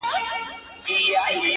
که معنا د عقل دا جهان سوزي وي,